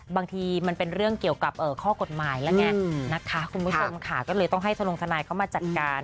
บางทีมันเป็นเรื่องเกี่ยวกับข้อกฎหมายแล้วไงนะคะคุณผู้ชมค่ะก็เลยต้องให้ทะลงทนายเข้ามาจัดการ